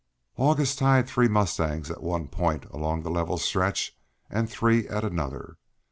August tied three mustangs at one point along the level stretch, and three at another.